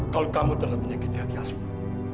kalau kamu terlalu menyakiti hati asma